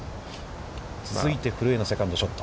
続いて古江のセカンドショット。